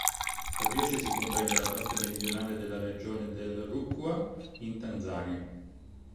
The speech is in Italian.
La diocesi comprende la parte meridionale della Regione del Rukwa in Tanzania.